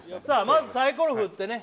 まずサイコロふってね